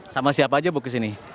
sama siapa aja bu ke sini